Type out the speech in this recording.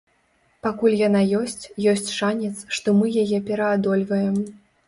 Пакуль яна ёсць, ёсць шанец, што мы яе пераадольваем.